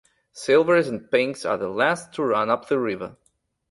Silvers and Pinks are the last to run up the river.